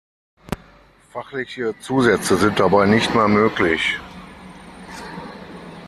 Fachliche Zusätze sind dabei nicht mehr möglich.